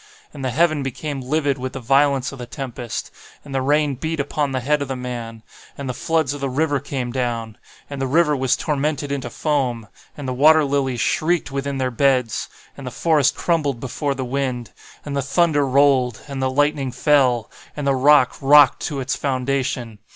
And the heaven became livid with the violence of the tempest—and the rain beat upon the head of the man—and the floods of the river came down—and the river was tormented into foam—and the water lilies shrieked within their beds—and the forest crumbled before the wind—and the thunder rolled—and the lightning fell—and the rock rocked to its foundation.